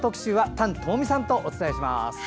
丹友美さんとお伝えします。